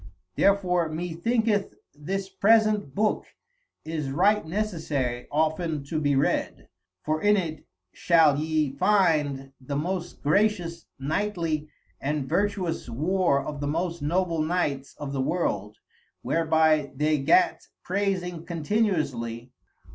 Therefore mee thinketh this present booke is right necessary often to be read, for in it shall yee finde the most gracious, knightly, and vertuous war of the most noble knights of the world, whereby they gat praysing continually.